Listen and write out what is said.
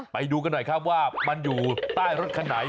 ไปดูกันหน่อยครับว่ามันอยู่ใต้รถคันไหน